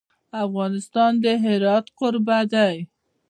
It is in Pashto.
افغانستان د هرات کوربه دی.